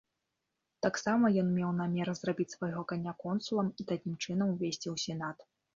Таксама ён меў намер зрабіць свайго каня консулам і такім чынам увесці ў сенат.